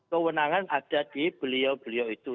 kewenangan ada di beliau beliau itu